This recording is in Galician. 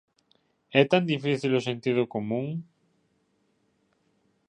¿É tan difícil o sentido común?